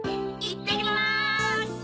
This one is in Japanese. いってきます！